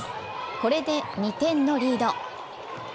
これで２点のリード。